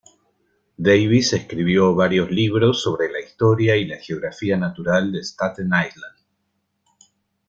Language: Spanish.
Davis escribió varios libros sobre la historia y la geografía natural de Staten Island.